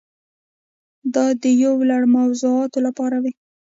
دا د یو لړ موضوعاتو لپاره وي.